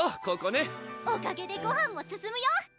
ここねおかげでごはんも進むよ